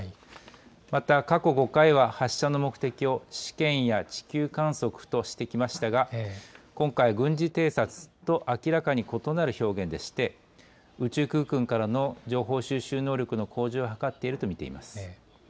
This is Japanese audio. また過去５回は発射の目的を試験や地球観測としてきましたが今回、軍事偵察と明らかに異なる表現で宇宙空間からの情報収集能力の向上を図っていると見ています。